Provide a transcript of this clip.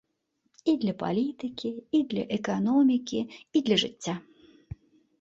І для палітыкі, і для эканомікі, і для жыцця!